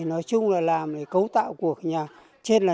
nói chung là làm cấu tạo của nhà